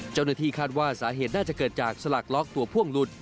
เจ้าหน้าที่คาดว่าสาเหตุน่าจะเกิดจากสลักล็อกตัวพ่วงหลุด